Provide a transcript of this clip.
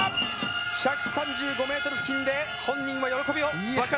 １３５ｍ付近で本人も喜びを爆発。